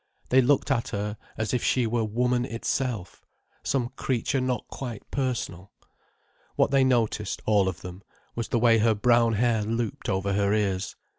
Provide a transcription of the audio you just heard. They looked at her, as if she were Woman itself, some creature not quite personal. What they noticed, all of them, was the way her brown hair looped over her ears.